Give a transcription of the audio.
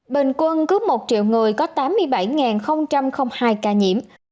bình quân cứ một triệu người có tám mươi bảy hai ca nhiễm